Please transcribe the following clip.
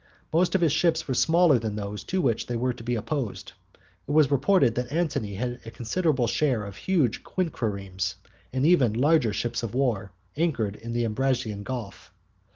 Most of his ships were smaller than those to which they were to be opposed. It was reported that Antony had a considerable number of huge quinqueremes, and even larger ships of war, anchored in the Ambracian Gulf.